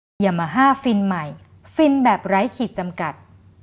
ยามาฮ่าฟินใหม่ฟินแบบไร้ขีดจำกัด